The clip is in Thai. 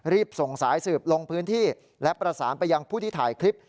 รีบส่งสายสืบลงพื้นที่และประสานไปยังผู้ที่ถ่ายคลิป